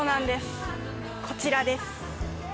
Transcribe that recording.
こちらです。